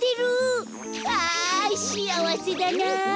ああしあわせだな。